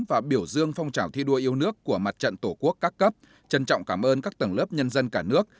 và biểu dương phong trào thi đua yêu nước của mặt trận tổ quốc các cấp trân trọng cảm ơn các tầng lớp nhân dân cả nước